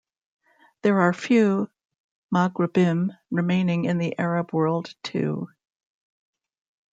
There are few Maghrebim remaining in the Arab world too.